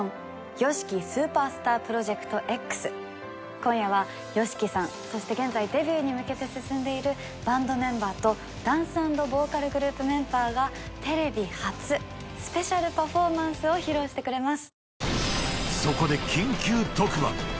今夜はＹＯＳＨＩＫＩさんそして現在デビューに向けて進んでいるバンドメンバーとダンス＆ボーカルグループメンバーがテレビ初ＳＰパフォーマンスを披露してくれます。